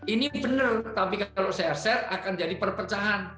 ini benar tapi kalau saya set akan jadi perpecahan